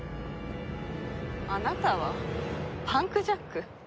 あなたはパンクジャック。